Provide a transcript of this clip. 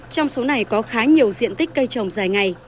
trong số này có khá nhiều diện tích cây trồng dài ngày